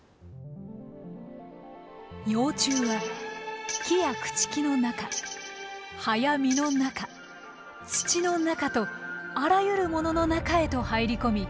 幼虫は木や朽ち木の中葉や実の中土の中とあらゆるものの中へと入り込み